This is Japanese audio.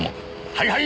はいはい！